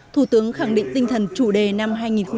thủ tướng khẳng định tinh thần chủ đề năm hai nghìn hai mươi